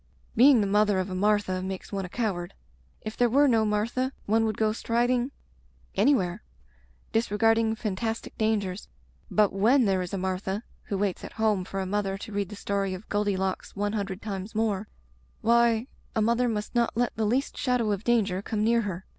Being the mother of a Martha makes one a coward. If there were no Martha one would go striding any where, disregarding fantastic dangers, but when there is a Martha, who waits at home for a mother to read the story of Goldilocks one hundred times more, why, a mother must not let the least shadow of danger come near her.